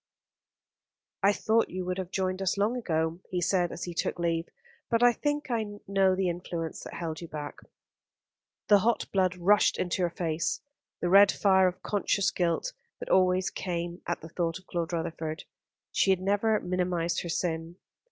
"I thought you would have joined us long ago," he said, as he took leave, "but I think I know the influence that held you back." The hot blood rushed into her face, the red fire of conscious guilt that always came at the thought of Claude Rutherford. She had never minimised her sin.